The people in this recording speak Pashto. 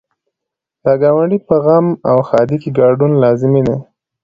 د ګاونډي په غم او ښادۍ کې ګډون لازمي دی.